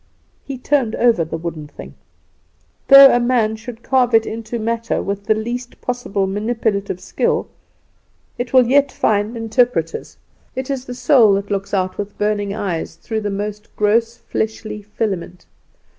He turned over the wooden thing. "Though a man should carve it into matter with the least possible manipulative skill, it will yet find interpreters. It is the soul that looks out with burning eyes through the most gross fleshly filament.